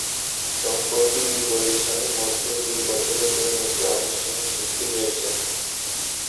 সম্প্রতি দুই প্রতিষ্ঠানের মধ্যে তিন বছরের জন্য একটি আনুষ্ঠানিক চুক্তি হয়েছে।